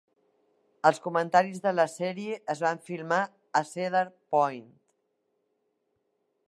Els comentaris de la sèrie es van filmar a Cedar Point.